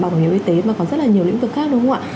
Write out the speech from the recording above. bảo hiểm y tế mà còn rất là nhiều lĩnh vực khác đúng không ạ